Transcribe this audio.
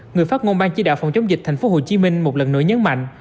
người phát ngôn ban chí đạo phòng chống dịch thành phố hồ chí minh một lần nữa nhấn mạnh